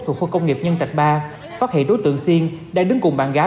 thuộc khu công nghiệp nhân trạch ba phát hiện đối tượng xiên đang đứng cùng bạn gái